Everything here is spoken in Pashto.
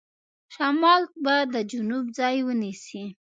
شمال به د جنوب ځای ونیسي.